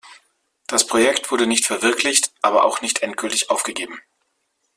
Das Projekt wurde nicht verwirklicht aber auch nicht endgültig aufgegeben.